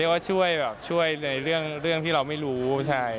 เรียกว่าช่วยช่วยในเรื่องที่เราไม่รู้ใช่